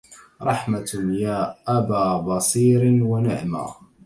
رحمة يا أبا بصير ونعمى